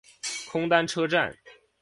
空丹车站。